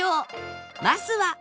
まずは